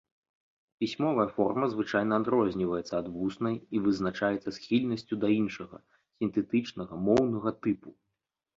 Пісьмовая форма значна адрозніваецца ад вуснай і вызначаецца схільнасцю да іншага, сінтэтычнага, моўнага тыпу.